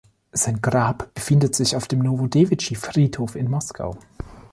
Sein Grab befindet sich auf dem Nowodewitschi-Friedhof in Moskau.